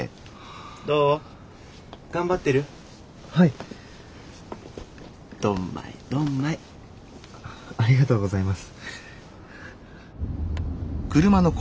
ありがとうございます。